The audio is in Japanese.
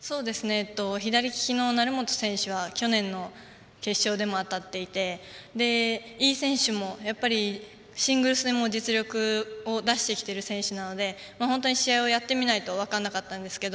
左利きの成本選手は去年の決勝でも当たっていて井選手もやっぱりシングルスでも実力を出してきている選手なので本当に試合をやってみないと分からなかったんですけど